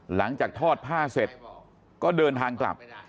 หลังจากทอดผ้าเสร็จก็เดินทางกลับ